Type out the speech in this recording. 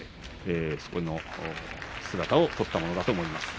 その姿を撮ったものかと思われます。